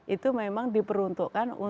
itu memang diperuntukkan untuk